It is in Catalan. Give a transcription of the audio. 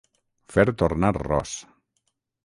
Fer tornar ros.